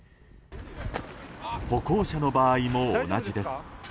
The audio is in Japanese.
歩行者の場合も同じです。